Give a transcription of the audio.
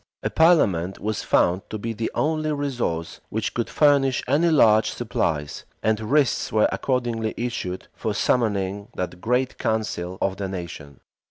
A parliament was found to be the only resource which could furnish any large supplies; and writs were accordingly issued for summoning that great council of the nation.